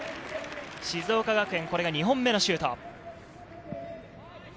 静岡学園、これが２本目のシュート。